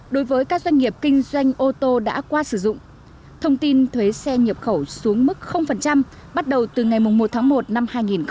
đối với các doanh nghiệp kinh doanh ô tô đã qua sử dụng thông tin thuế xe nhập khẩu xuống mức bắt đầu từ ngày một tháng một năm hai nghìn hai mươi